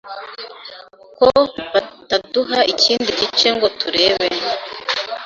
ko bataduha ikindi gice ngo turebe